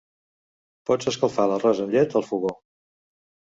Pots escalfar l'arròs amb llet al fogó